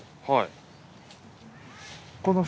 はい。